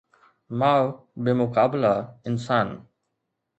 ماء بمقابله انسان